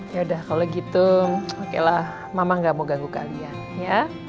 ya udah kalau gitu oke lah mama gak mau ganggu kalian ya